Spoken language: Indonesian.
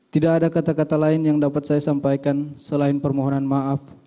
tidak ada kata kata lain yang dapat saya sampaikan selain permohonan maaf